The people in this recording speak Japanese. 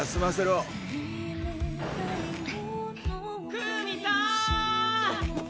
・クウミさん！